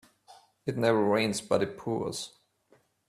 It never rains but it pours.